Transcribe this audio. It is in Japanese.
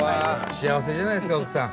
幸せじゃないですか奥さん。